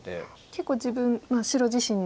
結構自分白自身に。